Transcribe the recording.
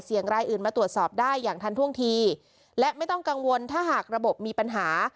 รายอื่นมาตรวจสอบได้อย่างทันท่วงทีและไม่ต้องกังวลถ้าหากระบบมีปัญหา